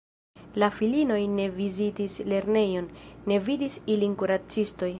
La filinoj ne vizitis lernejon, ne vidis ilin kuracistoj.